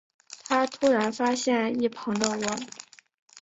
他突然发现一旁的我